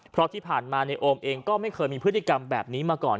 เพราะที่ผ่านมาในโอมเองก็ไม่เคยมีพฤติกรรมแบบนี้มาก่อน